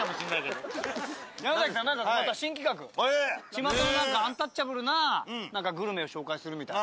ちまたのアンタッチャブルなグルメを紹介するみたいな。